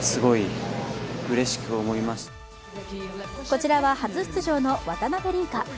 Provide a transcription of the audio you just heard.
こちらは初出場の渡辺倫果。